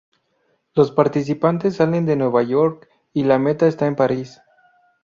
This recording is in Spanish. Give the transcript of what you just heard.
Los participantes salen de Nueva York y la meta está en París.